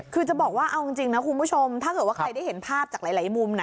คือจะบอกว่าเอาจริงนะคุณผู้ชมถ้าเกิดว่าใครได้เห็นภาพจากหลายมุมนะ